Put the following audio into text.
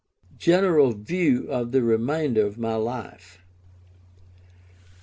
GENERAL VIEW OF THE REMAINDER OF MY LIFE.